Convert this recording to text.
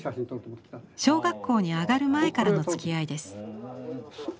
小学校に上がる前からのつきあいです。